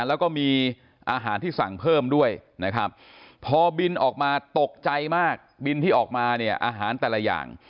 แล้วก็มีอาหารที่สั่งเพิ่มด้วยนะครับพอบินออกมาตกใจมากบินที่ออกมาเนี่ยอาหารแต่ละอย่าง